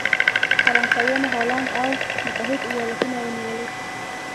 فرانسویانو هالنډ او متحد ایالتونه ونیولې.